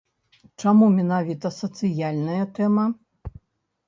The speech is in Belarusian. Чаму менавіта сацыяльная тэма?